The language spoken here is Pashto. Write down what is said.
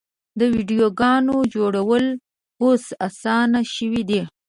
د ویډیوګانو جوړول اوس اسانه شوي دي.